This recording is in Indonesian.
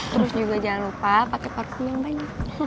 terus juga jangan lupa pake paku yang banyak